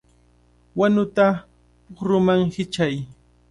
¡Wanuta pukruman hichay!